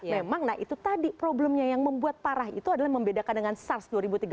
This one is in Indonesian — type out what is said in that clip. memang nah itu tadi problemnya yang membuat parah itu adalah membedakan dengan sars dua ribu tiga belas